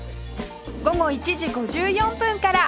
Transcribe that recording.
午後１時５４分から